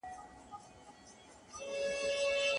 صالحه ميرمن خپل خاوند ته ډاډ ورکوي.